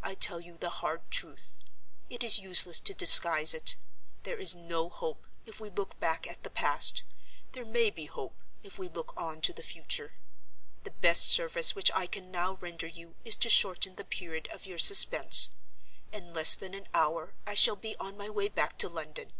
I tell you the hard truth—it is useless to disguise it. There is no hope, if we look back at the past: there may be hope, if we look on to the future. The best service which I can now render you is to shorten the period of your suspense. In less than an hour I shall be on my way back to London.